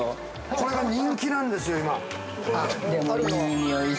◆これが人気なんですよ、今。